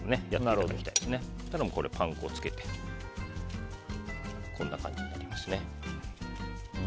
そしてパン粉をつけてこんな感じになりますね。